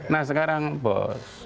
nah sekarang bos